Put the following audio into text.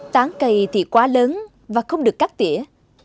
tán cây thì quá lớn và không được cắt tỉa